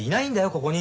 ここに。